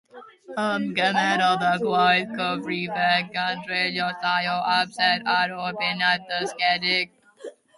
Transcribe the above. Ymgymerodd â gwaith cyfrifeg, gan dreulio llai o amser ar ohebiaeth ddysgedig.